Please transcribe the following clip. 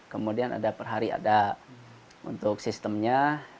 kemudian ada per hari ada untuk sistemnya